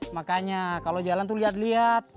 makanya kalau jalan tuh lihat lihat